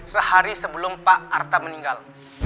sehari sebelum pak arta meninggal